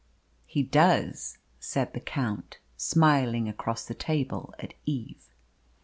"He does," said the Count, smiling across the table at Eve.